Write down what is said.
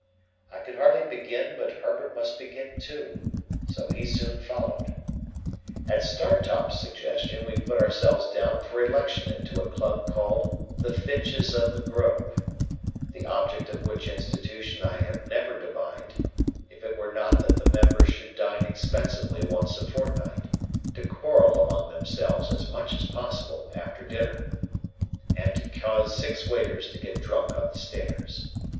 I could hardly begin but Herbert must begin too, so he soon followed. At Startop's suggestion, we put ourselves down for election into a club called The Finches of the Grove: the object of which institution I have never divined, if it were not that the members should dine expensively once a fortnight, to quarrel among themselves as much as possible after dinner, and to cause six waiters to get drunk on the stairs.